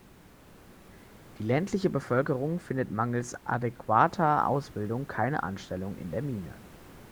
Die ländliche Bevölkerung findet mangels adäquater Ausbildung keine Anstellung in der Mine.